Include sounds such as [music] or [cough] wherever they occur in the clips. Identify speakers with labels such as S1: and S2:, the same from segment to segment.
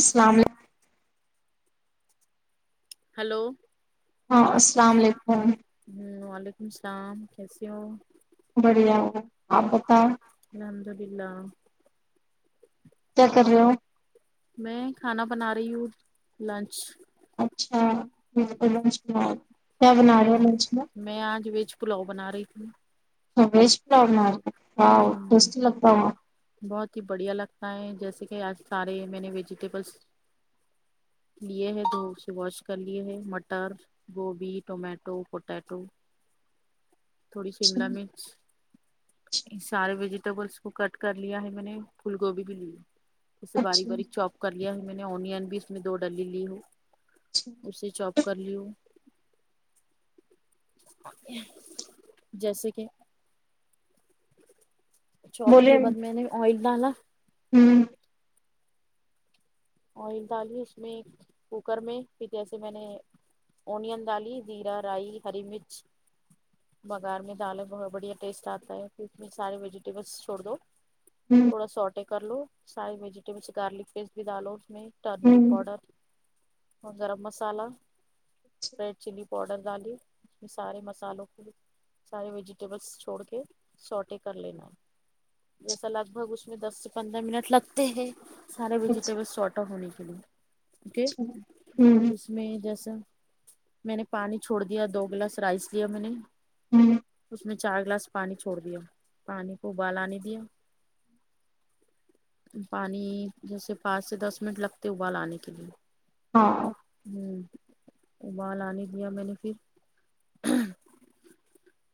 S1: السلام
S2: ہلو
S1: ہاں السلام علیکم
S2: ہوں وعلیکم السلام کیسے ہو
S1: بڑھیا ہوں آپ بتاؤ
S2: الحمد للہ
S1: کیا کر رہے ہو
S2: میں کھانا بنا رہی ہوں لنچ
S1: اچھا لنچ بنا کیا بنا رہے
S2: میں
S1: ہو لنچ میں
S2: میں آج ویج پلاؤ بنا رہی تھی
S1: ویج پلاؤ بنارہے واو
S2: ہ
S1: ٹیسٹی لگتا
S2: بہت ہی بڑھیا لگتا ہے جیسے کہ آج سارے میں نے ویجیٹیبلس لیے ہے تو اسے واش کر لی ہے مٹر گوبھی ٹمیٹو پوٹیٹو تھوڑی
S1: اچھا
S2: شملہ مرچ سارے ویجیٹیبلس کو کٹ کر لیا ہے میں نے پھول گوبھی بھی لی جیسے بار
S1: اچھا
S2: باری چوپ کر لیا ہے میں نے اونین بھی اس میں دو ڈلی لی ہے
S1: اچھا
S2: اسے چاپ کر لیوں جیسے کہ چاپ
S1: بولے
S2: کیے بعد میں نے آئل ڈالا
S1: ہوں
S2: آئل ڈالی اس میں کوکر میں پھر جیسے میں نے اونیئن دالی زیرا رائی ہری مرچ بگار میں دالا بہت بڑھیا ٹیسٹ آتا ہے پھر اس میں سارے ویجیٹیبلس چھوڑ دو
S1: ہوں
S2: تھوڑا سوٹے کر لو سارے ویجیٹیبلس گارلک پیسٹ بھی ڈالو اس میں ٹرمیرک
S1: ہوں
S2: پاؤڈر اور garam masala red chilli powder ڈالی اس میں سارے مسالوں کو سارے ویجیٹیبلس چھوڑ کے سوٹیں کر لینا ہے جیسا لگ بھگ اس میں دس سے پندرہ منٹ لگتے ہیں سارے
S1: اچھا
S2: ویجیٹیبلس سوٹیں ہونے کے لیے اوکے
S1: اچھا ہوں ہوں
S2: پھر میں جیسا میں نے پانی چھوڑ دیا دو گلاس رائس لیا میں نے اس میں چار گلاس پانی چھوڑ دیا پانی کو ابال آنے دیا پانی جیسے پانچ سے دس منٹ لگتے ابال آنے کے لیئے
S1: ہاں
S2: ہمم ابال آنے دیا میں نے پھر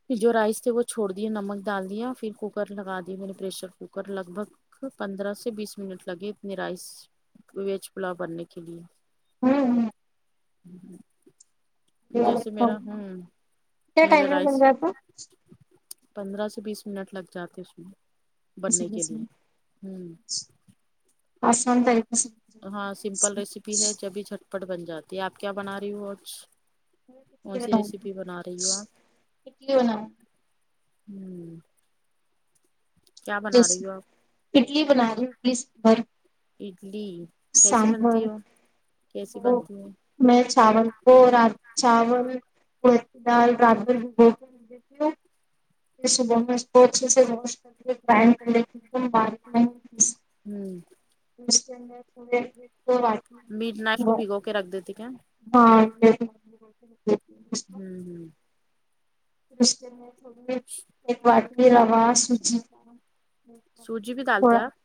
S2: پھر جو رائس تھے وہ چھوڑ دیا نمک ڈال دیا پھر کوکر لگا دی میں نے پریشر کوکر لگ بھگ پندرہ سے بیس منٹ لگے اتنی رائس ویج پلاؤ بننے کے لیے
S1: ہوں ہوں بڑھیا
S2: جیسے
S1: لگتا ہو
S2: میرا ہوں
S1: کیا ٹائم
S2: میرا
S1: میں
S2: رائس
S1: بن جاتا
S2: پندرہ سے بیس منٹ لگ جاتے اس میں بننے کے لیے ہوں
S1: آسان طریقے سے جاتا
S2: ہاں سمپل
S1: اچھا
S2: ریسیپی ہے
S1: اچھا
S2: جبھی چھٹپٹ بن جاتی ہے آپ کیا بنا رہی ہو آج کون
S1: اڈلی
S2: سی
S1: بناؤ
S2: ریسیپی بنا رہی ہو آپ
S1: اڈلی بناؤ
S2: ھممم
S1: جیسی
S2: رہی ہو آپ
S1: اڈلی بنا رہی ہوں اس بار
S2: اڈلی کیسی بنتی ہے کیسی
S1: وہ
S2: بنتی ہے
S1: میں چاول کو رات چاول اوڑد کی دال رات بھر بھگو کے رکھ دیتی ہو پھر صبح میں اس کو اچھے سے [unintelligible] گڈھ کر کے پان پے رکھ دیتی ہو بعد پھر اس کو
S2: ھممم
S1: [unintelligible]
S2: میڈ نائٹ اس کو بھگو کے رکھ دیتی کیا
S1: بعد [unintelligible]
S2: ھممم ھممم
S1: پھر میں تھوڑی ایک باٹی میں روا سوجی کا
S2: سوجی بھی ڈالتے آپ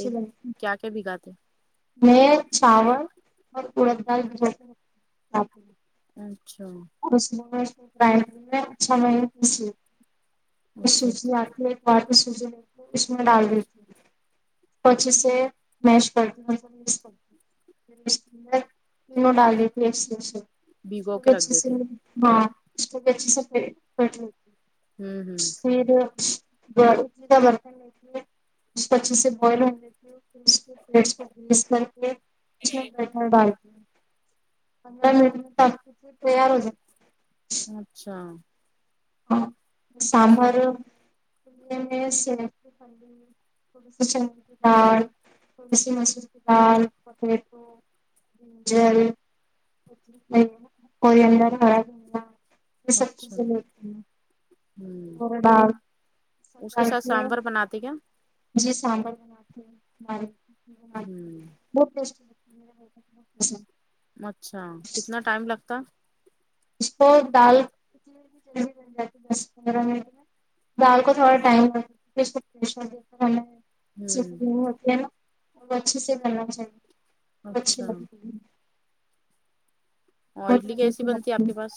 S1: [unintelligible]
S2: کے بھگاتے
S1: بھائیے ایک چاول اور اڑد دال [unintelligible] بھیجو دے
S2: اچھا
S1: [unintelligible] واپسز
S2: اچھا اچھا
S1: [unintelligible] اس میں سے ڈال دیتی اچھاسے میش کرتی ہو [inaudible] تینوں ڈال دیتی
S2: بھگو
S1: ہو
S2: کے رکھ
S1: اچھے سے [inaudible]
S2: دیتے
S1: ہاں اس کو بھی اچھے سے بھیٹ لیتی
S2: ہوں ہوں
S1: پھر جلی [unintelligible] کا برتن لیتی اس کو اچھے سے بوائل ہونے [unintelligible] پیسٹ کو مکس کر کے اس میں بیٹر ڈالتی ہو پندرہ منٹ میں [unintelligible] پھر تیار ہوجا
S2: اچھا
S1: ہاں
S2: اس
S1: سامبر [unintelligible] پہاڑ جل کوئی اندر آیا یہ سب
S2: اچھا
S1: چیزیں ہیں تھوڑی
S2: ہوں
S1: تور دال سب
S2: اس کے
S1: ڈال
S2: ساتھ سامبر بناتے کیا
S1: جی سانبر بناتی ہو [unintelligible]
S2: ہوں
S1: بہت ٹیسٹی ایسا
S2: اچھا کتنا ٹائم لگتا
S1: اس کو دال کتنیی پڑ جاتی دس پندرہ منٹ دال کو تھوڑا ٹائم لگش
S2: ہوں
S1: ہوتی [unintelligible] تو اچھے سے بنانا چاہیے وہ اچھی
S2: اچھا
S1: لگتی ہے
S2: اور
S1: بہت
S2: اڈلی
S1: مزے
S2: کیسی
S1: کی
S2: بنتی ہے آپ
S1: لگتی
S2: کے پاس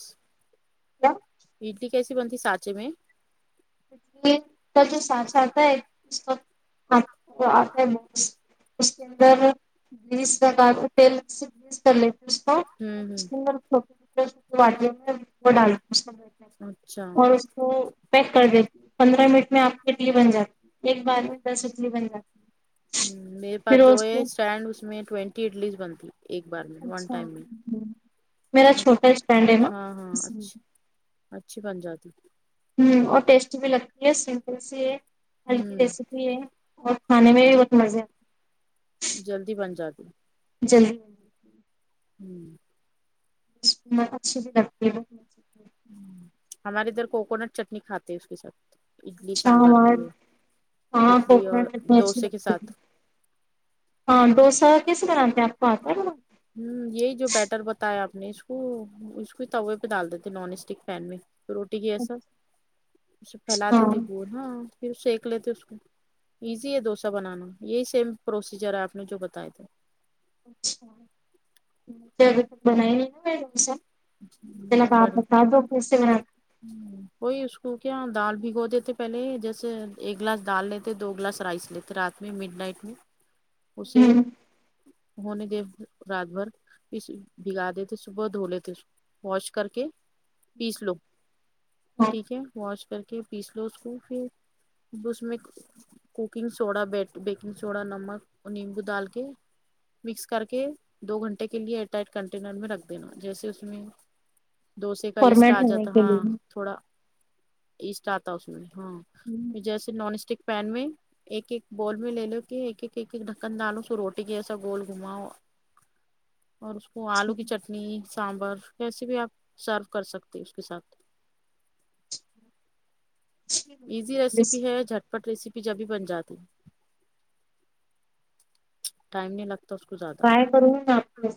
S1: کیا
S2: یہ اڈلی کیسے بنتی سانچے میں
S1: اڈلی کا جو سانچہ آتا ہے ایک اسکا وہ آتا ہے بوکس اسکے اندر گریز لگاکے تیل گریز کرلیتے اسکو
S2: ہوں ہوں اچھا ہوں
S1: اور اس کو [unintelligible] کر دیتی پندرہ منٹ میں آپ کی اڈلی بن جاتی ایک بار میں دس اڈلی بن جاتی
S2: ہوں میرے پاس
S1: پھر
S2: جو
S1: اس
S2: ہے
S1: کو
S2: اسٹینڈ اس میں ٹوینٹی اڈلیز بنتی ایک بار میں ون
S1: اچھا
S2: ٹائم میں
S1: میرا
S2: اچھ-
S1: چھوٹا اسٹنڈ ہاں اسلئے
S2: اچھی بن جاتی
S1: ہوں اور ٹیسٹی بھی لگتی ہے سمپل سی ہے ہلکی
S2: ہوں
S1: ریسیپی یہ اور کھانے میں بھی بہت مزے
S2: جلدی بن جاتی
S1: جلدی
S2: ہوں
S1: [unintelligible]
S2: ہوں ہمارے ادھر کوکونٹ چٹنی کھاتے ہیں اس کے ساتھ اڈلی
S1: اچھا
S2: سانمبر
S1: ہمار
S2: یہ
S1: ہاں
S2: اڈلی اور
S1: کوکونٹ چٹنی اچھی
S2: ڈوسے کے
S1: لگتی
S2: ساتھ
S1: ہے ہاں ڈوسا کیسے بناتے ہیں آپ کو آتا ہے بنانا
S2: ہوں یہی جو بیٹر بتایا آپ نے اس کو اس کو توے پہ ڈال دیتی نان اسٹک پین میں روٹی کے جیسا اسے پھیلا
S1: اچھا
S2: دیتے گول ہاں پھر سیکھ لیتے اس کو ایزی ہے ڈوسا بنانا یہی سیم پروسیجر ہے آپ نے جو بتائے تھے
S1: اچھا [unintelligible] آپ بتا دو کیسے بناتے
S2: ہوں وہی اس کو کیا دال بھگو دیتے پہلے جیسے ایک گلاس دال لیتے دو گلاس رائس لیتے رات میں مڈ نائٹ میں اسے
S1: ہیں
S2: ہونے دے رات بھر اس بھگا دیتے تھے صبح دھولے تے اسکو واش کر کے پیس لو ٹھیک ہے واش کر کے پیس لو اس کو پھر اس میں کوکنگ سوڈا بیکنگ سوڈا نمک اور نیمبو ڈال کے مکس کر کے دو گھنٹے کے لیے ایئرٹائٹ کنٹینر میں رکھ دینا جیسے اس ڈوسے کا ایسٹ
S1: فارمیٹ
S2: آ
S1: ہونے
S2: جاتا
S1: کے
S2: ہاں
S1: لیے
S2: تھوڑا ایسٹ آتا اس میں ہاں پھر جیسے نان اسٹک پین میں ایک ایک بال میں لے لو کہ ایک ایک ایک ڈھکن ڈالو س روٹی کی جسا گول گھماؤ اور اس وہ آلو کی چٹنی سانبر کیسے بھی آپ سرو کر سکتے اس کے ساتھ ایزی ریسیپی ہے جھٹپٹ ریسیپی جبھی بن جاتی ہے ٹائم نہیں لگتا اس کو زیادہ
S1: ٹرائی کروں گی میں آپ کو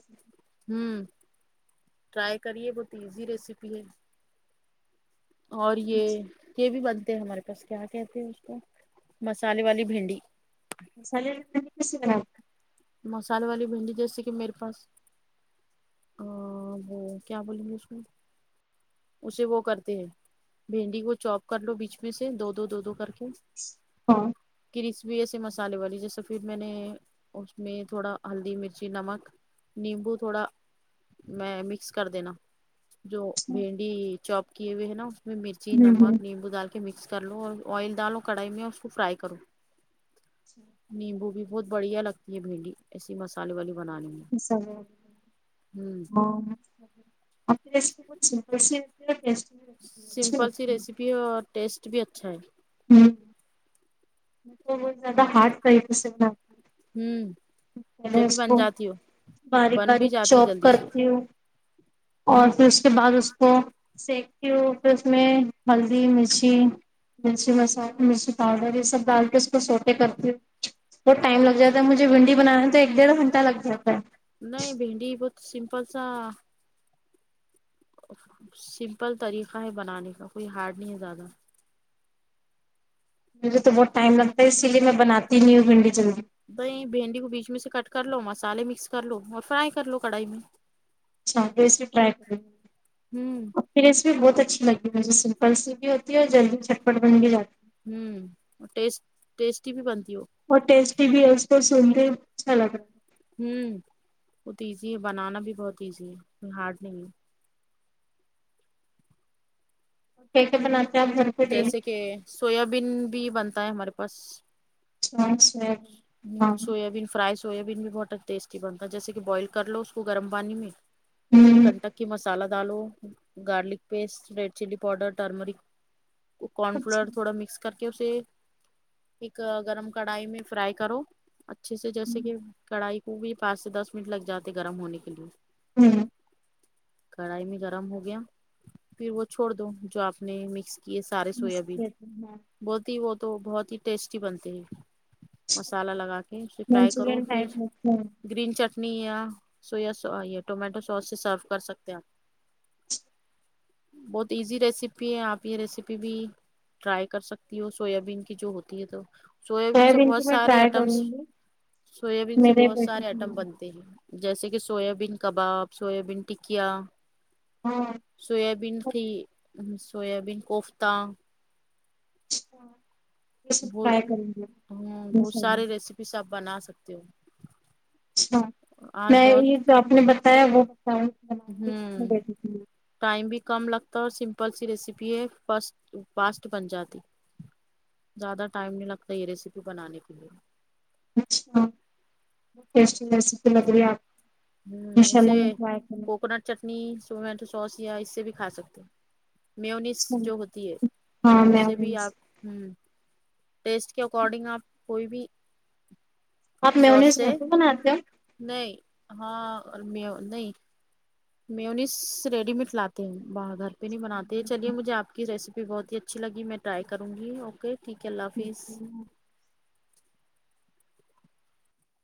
S2: ہوں ٹرائی کریے بہت ایزی ریسیپی ہے اور یہ یہ بھی بنتے ہیں ہمارے پاس کیا کہتے ہیں اس کو مسالے والی بھنڈی
S1: مصالے والی بھنڈی کیسے بناتے
S2: مسالے والی بھنڈی جیسے کہ میرے پاس ا وہ کیا بولیں گے اس کو اسے وہ کرتے ہیں بھنڈی کو چوپ کر لو بیچ میں سے دو دو دو دو کر کے
S1: ہاں
S2: کرسپی ایسے مسالے والی جیسا پھر میں نے اس میں تھوڑا ہلدی مرچی نمک نیمبو تھوڑا میں مکس کر دینا جو بھنڈی چوپ کیے ہوئے ہے نا اس میں مرچی
S1: ہوں ہوں
S2: نمک نیمبو دال کے مکس کر لو اور آئل ڈالو کڑھائی میں اور اس کو فرائی کرو
S1: اچھا
S2: نیمبو بھی بہت بڑھیا لگتی ہے بھنڈی ایسیے مسالے والی بنانے میں
S1: سب
S2: ہوں
S1: ہاں [unintelligible] ہے اچھی
S2: سمپل سی
S1: لگتی
S2: ریسیپی ہے اور ٹیسٹ بھی اچھا ہے
S1: ہوں میں بہت زیادہ ہارڈ طریقے سے بناؤ
S2: ہوں
S1: پہلے
S2: جبھی
S1: اس
S2: بن
S1: کو
S2: جاتی ہو
S1: باریک
S2: بن بھی
S1: باریک
S2: جاتی
S1: چوپ
S2: جلدی سے
S1: کرتی ہوں اور پھر اس کے بعد اس کو سیکتی ہوئے پھر اس میں ہلدی مرچی مرچی مصالے مرچی پاؤڈر یہ سب ڈال کے اس کو سوٹے کرتی ہوں بہت ٹائم لگ جاتا ہے مجھے بھنڈی بنانا تو ایک ڈیڑھ گھنٹہ لگ جاتا ہے
S2: نہیں بھنڈی بہت سمپل سا سمپل طریقہ ہے بنانے کا کوئی ہارڈ نہیں ہے زیادہ
S1: مجھے تو بہت ٹائم لگتا ہے اسی لیے میں بناتی نہی ہوں بھنڈی جلدی
S2: بھائی بھنڈی کو بیچ میں سے کٹ کر لو مصالے مکس کر لو اور فرائی کر لو کڑھائی میں
S1: اچھا پھر سے ٹرائی کرتی ہوں یہ ریسیپی بہت اچھی لگی مجھے سمپل سی بھی ہوتی ہے اور جلدی چھٹ پٹ بن بھی جاتی ہے
S2: ہوں اور ٹیس ٹیسٹی بھی بنتی وہ
S1: اور ٹیسٹی بھی ہے اس کو سنتے اچھا لگا
S2: بہت ایزی ہے بنانا بھی بہت ایزی ہے ہارڈ نہیں ہے
S1: کیا کیا بناتے ہیں آپ گھر پہ ڈیلی
S2: جیسے کہ سویابین بھی بنتا ہے ہمارے پاس
S1: [unintelligible] ہاں
S2: ہوں سویابین فرائیز سویابین بھی بہت ٹیسٹی بتا ہے جیسے کہ بوائل کر لو اس کو گرم پانی میں اس میں
S1: ہوں
S2: کنٹک کی مصالہ ڈالو garlic paste red chilli powder turmeric corn
S1: اچھا،
S2: فلور تھوڑا مکس کر کے اسے ایک گرم کڑھائی میں فرائی کرو اچھے سے جیسے
S1: ہوں
S2: کہ کڑھائی کو بھی پانچ سے دس منٹ لگ جاتے گرم ہونے کے لیے
S1: ہوں
S2: کڑھائی میں گرم ہو گیا پھر وہ چھوڑ دو جو آپ نے مکس کئے سارے سویابین
S1: منچورین
S2: بہت ہی وہ تو بہت ہی ٹیسٹی بنتے ہیں مصالہ لگا کے پھر فرائی کرو پھر
S1: ٹائپ رکھتے ہیں
S2: گرین چٹنی یا سویا سو یا ٹومیٹو سوس سے سرف کر سکتے ہیں بہت ایزی ریسیپی ہے آپ یہ ریسیپی بھی ٹرائی کر سکتی ہو سویابین کی جو ہوتی ہے تو سویابین اور
S1: کی میں
S2: سارے
S1: ٹرائی کروں
S2: آئٹمس
S1: گی
S2: سویابین سے
S1: میرے
S2: بہت
S1: بیٹے
S2: سارے
S1: کے
S2: آئٹم
S1: لیے
S2: بنتے جیسے کہ سویابین کباب سویابین ٹکیا
S1: ہاں
S2: سویابین خی سویابین کوفتہ
S1: اچھا یہ سب
S2: وہ
S1: ٹرائی کریں گے
S2: ہوں بہت
S1: انشاء اللہ
S2: سارے ریسیپیز آپ بنا سکتے ہو
S1: اچھا
S2: آج
S1: میں یہ جو آپ نے بتایا وہ بتاؤں بناؤں گی
S2: ہوں
S1: اپنے بیٹے کے لیے
S2: ٹائم بھی کم لگتا اور سمپل سی ریسیپی ہے فسٹ فاسٹ بن جاتی زیادہ ٹائم نہیں لگتا یہ ریسیپی بنانے کے لیے
S1: اچھا ٹیسٹی ریسیپی لگ رہی ہے آپ
S2: ہ
S1: انشاء اللہ
S2: اسے
S1: میں ٹرائی کروں
S2: کوکونٹ چٹنی ٹماٹو سوس یا اس سے بھی کھا سکتے میونس
S1: اچھا،
S2: جو ہوتی ہے
S1: ہاں
S2: وہ اس سے بھی
S1: میونیز
S2: آپ ہوں ٹیسٹ کے اکارڈنگ آپ کوئی بھی
S1: آپ
S2: سوس
S1: میونیز
S2: سے
S1: گھر پے بناتے ہو
S2: نہیں ہاں ا لمیا نہیں میونیز ریڈی میٹ لاتے ہوں باہر گھر پہ نہیں بناتے چلیے مجھے آپ کی ریسیپی بہت ہی اچھی لگی میں ٹرائی کروں گی اوکے ٹھیک ہے اللہ حافظ
S1: ہو